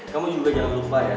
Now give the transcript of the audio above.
kamu juga jangan lupa ya